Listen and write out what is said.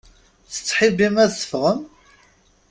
Tettḥibbim ad teffɣem?